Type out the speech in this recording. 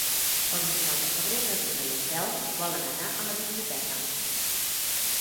El vint-i-nou de febrer na Duna i en Telm volen anar a la biblioteca.